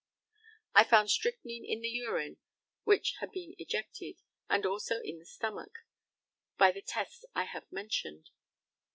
I found strychnine in the urine which had been ejected, and also in the stomach, by the tests I have mentioned.